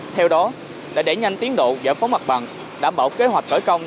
theo đó để đẩy nhanh tiến độ giải phóng mặt bằng đảm bảo kế hoạch cởi công